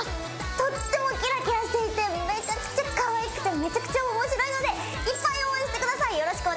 とってもキラキラしていてめちゃくちゃかわいくてめちゃくちゃおもしろいのでいっぱい応援してください。